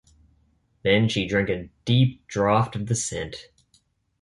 Then she drank a deep draught of the scent.